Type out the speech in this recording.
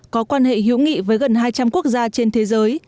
có quan hệ hữu nghị với gần hai trăm linh quốc gia trên thế giới